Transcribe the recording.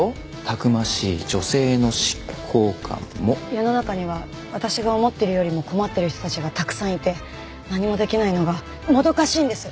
世の中には私が思ってるよりも困ってる人たちがたくさんいて何もできないのがもどかしいんです。